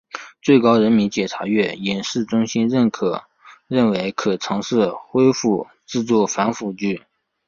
最高人民检察院影视中心认为可尝试恢复制作反腐剧。